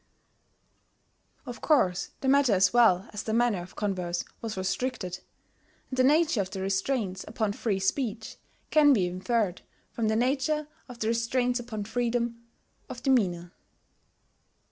] Of course the matter as well as the manner of converse was restricted; and the nature of the restraints upon free speech can be inferred from the nature of the restraints upon freedom of demeanour.